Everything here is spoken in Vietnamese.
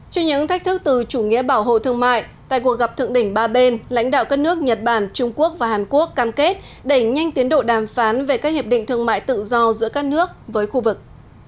trên những thách thức từ chủ nghĩa bảo hộ thương mại tại cuộc gặp thượng đỉnh ba bên lãnh đạo các nước nhật bản trung quốc và hàn quốc cam kết đẩy nhanh tiến độ đàm phán về các hiệp định thương mại tự do giữa các nước với khu vực